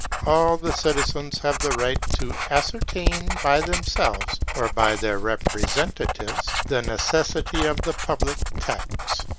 All the citizens have the right to ascertain, by them selves or by their representatives, the necessity of the public tax.